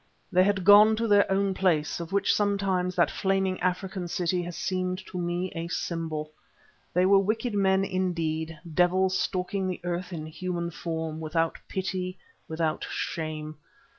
They had gone to their own place, of which sometimes that flaming African city has seemed to me a symbol. They were wicked men indeed, devils stalking the earth in human form, without pity, without shame.